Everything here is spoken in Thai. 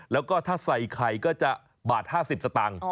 แล้วก็ถ้าใส่ไข่ก็จะบาท๕๐สตางค์